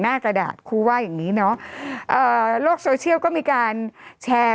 กระดาษครูว่าอย่างงี้เนอะเอ่อโลกโซเชียลก็มีการแชร์